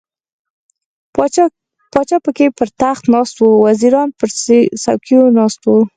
پاچا پکې پر تخت ناست و، وزیران پر څوکیو ناست وو.